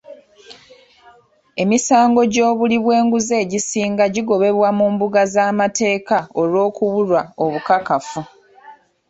Emisango gy'obuli bw'enguzi egisinga gigobebwa mu mbuga z'amateeka olw'okubulwa obukakafu.